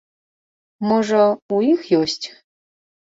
Можа, у іх ёсць?